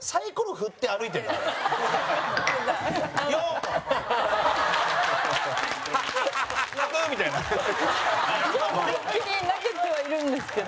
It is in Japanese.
思いっきり投げてはいるんですけど。